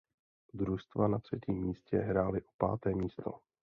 Družstva na třetím místě hráli o páté místo.